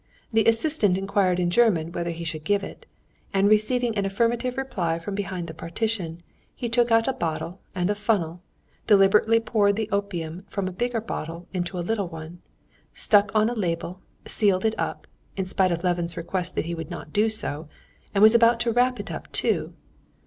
The assistant inquired in German whether he should give it, and receiving an affirmative reply from behind the partition, he took out a bottle and a funnel, deliberately poured the opium from a bigger bottle into a little one, stuck on a label, sealed it up, in spite of Levin's request that he would not do so, and was about to wrap it up too.